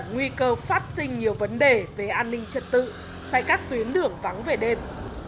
nguy cơ phát sinh nhiều vấn đề về an ninh trật tự tại các tuyến đường vắng về đêm